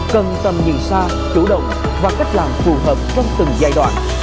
cần tầm nhìn xa chủ động và cách làm phù hợp trong từng giai đoạn